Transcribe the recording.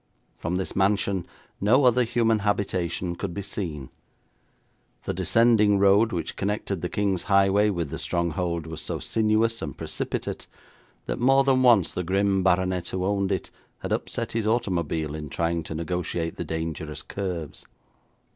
From this mansion no other human habitation could be seen. The descending road which connected the king's highway with the stronghold was so sinuous and precipitate that more than once the grim baronet who owned it had upset his automobile in trying to negotiate the dangerous curves.